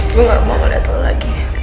gue gak mau keliatan lagi